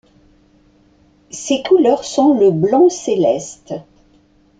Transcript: Ses couleurs sont le blanc-céleste.